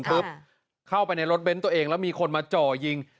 เข้าไปในรถเน้นตัวเองแล้วมีคนมาจ่อยิง